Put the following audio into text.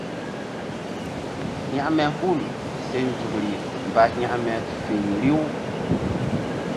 Hekme hul se nzukri mba hekme feri riw.